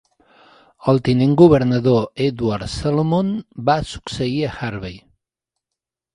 El tinent governador Edward Salomon va succeir a Harvey.